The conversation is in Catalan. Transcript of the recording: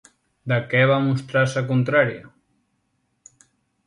De què va mostrar-se contrària?